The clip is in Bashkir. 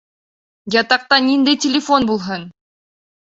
Ятаҡта ниндәй телефон булһын!